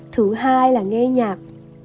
thứ hai là nghe nhạc